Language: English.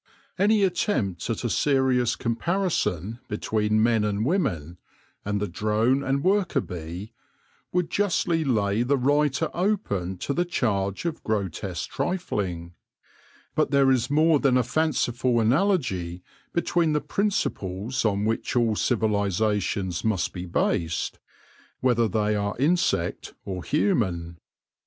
Any attempt at a serious comparison between men and women, and the drone and worker bee, would justly lay the writer open to the charge of grotesque trifling j but there is more than a fanciful analogy between the principles on which all civilisations must be based, whether they are insect or human.